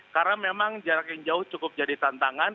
karena memang jarak yang jauh cukup jadi tantangan